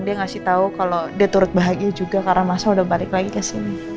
dia ngasih tau kalo dia turut bahagia juga karena masal udah balik lagi kesini